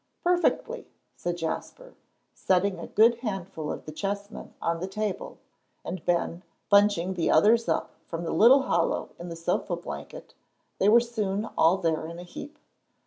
"Perfectly," said Jasper, setting a good handful of the chessmen on the table, and Ben, bunching the others up from the little hollow in the sofa blanket, they were soon all there in a heap.